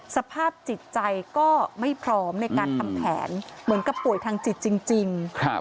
สภาพจิตใจก็ไม่พร้อมในการทำแผนเหมือนกับป่วยทางจิตจริง